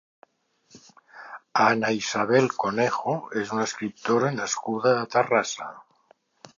Ana Isabel Conejo és una escriptora nascuda a Terrassa.